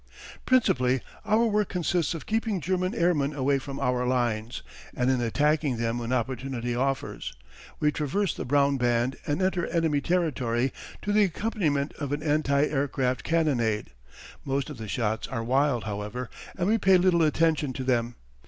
Principally our work consists of keeping German airmen away from our lines, and in attacking them when opportunity offers. We traverse the brown band and enter enemy territory to the accompaniment of an anti aircraft cannonade. Most of the shots are wild, however, and we pay little attention to them.